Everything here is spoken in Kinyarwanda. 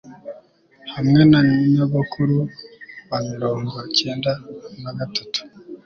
hamwe na nyogokuru wa mirongo cyenda na gatatu